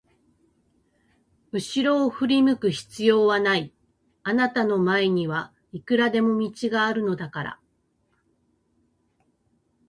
うしろを振り向く必要はない、あなたの前にはいくらでも道があるのだから。